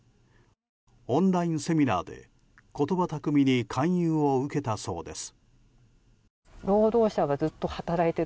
オンラインセミナーで言葉巧みに勧誘を受けたそうです。